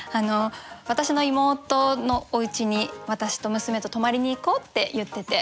私の妹のおうちに私と娘と泊まりに行こうって言ってて。